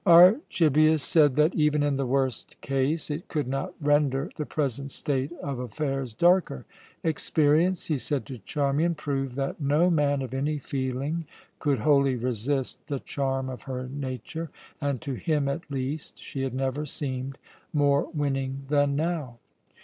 Archibius said that, even in the worst case, it could not render the present state of affairs darker. Experience, he said to Charmian, proved that no man of any feeling could wholly resist the charm of her nature, and to him at least she had never seemed more winning than now.